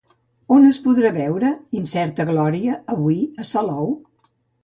On es podrà veure "Incerta glòria" avui a Salou?